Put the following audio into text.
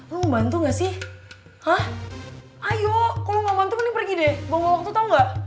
lo mau bantu gak sih hah ayo kalo gak bantu mending pergi deh bawa waktu tau gak